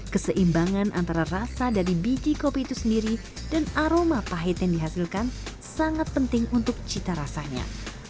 keseimbangan antara rasa dari biji kopi itu sendiri dan aroma pahit yang dihasilkan sangat penting untuk cita rasanya